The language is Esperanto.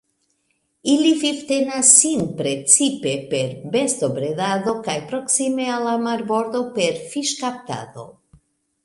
Ili vivtenas sin precipe per bestobredado kaj proksime al la marbordo per fiŝkaptado.